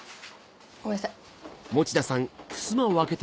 ごめんなさい。